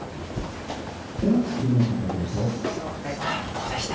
どうでした？